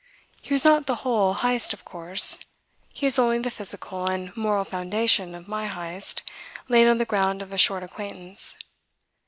He was not the whole Heyst of course; he is only the physical and moral foundation of my Heyst laid on the ground of a short acquaintance.